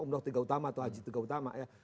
umroh tiga utama atau haji tiga utama ya